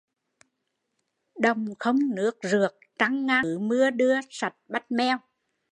Đồng không nước rượt trăng ngang mộc, rú cứ mưa đưa sạch bách meo